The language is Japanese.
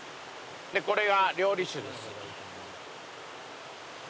でこれが料理酒です。